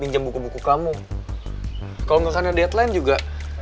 jangan kena deadline juga